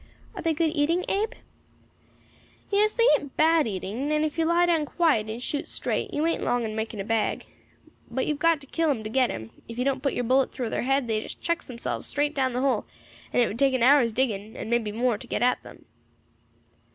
"Are they good eating, Abe?" "Yes, they ain't bad eating; and if you lie down quiet, and shoot straight, you ain't long in making a bag. But you have got to kill 'em to get 'em; if you don't put your bullet through thar head, they just chucks themselves straight down the hole, and it would take an hour's digging, and it may be more, to get at 'em."